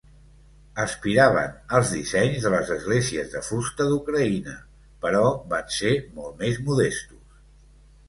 Aspiraven als dissenys de les esglésies de fusta d'Ucraïna, però van ser molt més modestos.